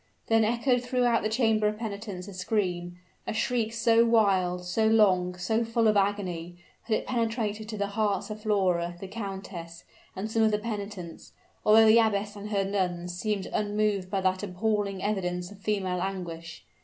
Then echoed through the chamber of penitence a scream, a shriek so wild, so long, so full of agony, that it penetrated to the hearts of Flora, the countess, and some of the penitents, although the abbess and her nuns seemed unmoved by that appalling evidence of female anguish.